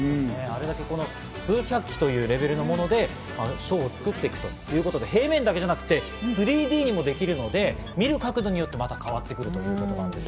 数百機というレベルのものでショーを作っていくということで、平面だけじゃなくて３Ｄにもできるので、見る角度によって変わってくるということです。